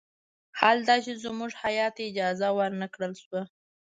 حال دا چې زموږ هیات ته اجازه ور نه کړل شوه.